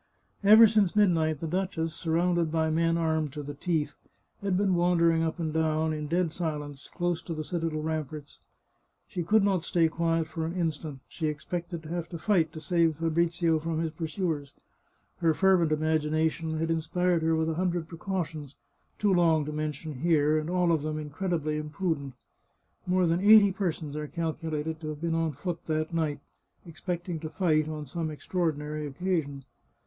Ever since midnight the duchess, surrounded by men armed to the teeth, had been wandering up and down, in dead silence, close to the citadel ramparts. She could not stay quiet for an instant; she expected to have to fight to save Fabrizio from his pursuers. Her fervent imagination had inspired her with a hundred precautions, too long to men tion here, and all of them incredibly imprudent. More than eighty persons are calculated to have been on foot that night, expecting to fight on some extraordinary occasion.